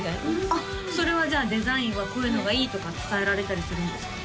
あっそれはじゃあデザインはこういうのがいいとか伝えられたりするんですか？